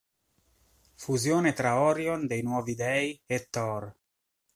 Fusione tra Orion dei Nuovi Dei e Thor.